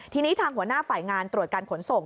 ทีนี้ทางหัวหน้าฝ่ายงานตรวจการขนส่ง